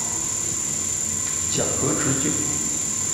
甲壳直径。